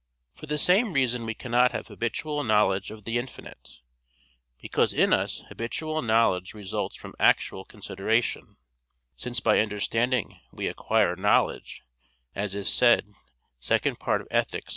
For the same reason we cannot have habitual knowledge of the infinite: because in us habitual knowledge results from actual consideration: since by understanding we acquire knowledge, as is said _Ethic.